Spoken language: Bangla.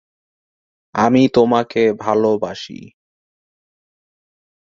সাধারণত পানির ধারে এর বিচরণ বেশি।